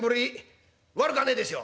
「悪かねえでしょ」。